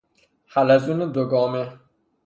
حلزون دو گامه